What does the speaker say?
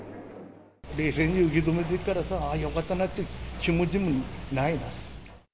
冷静に受け止めてっからさ、よかったなという気持ちもないな。